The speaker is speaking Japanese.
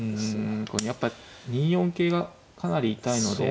やっぱ２四桂がかなり痛いので。